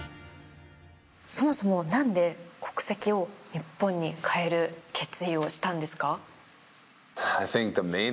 そもそもなんで国籍を日本に変える決意をしたんですか？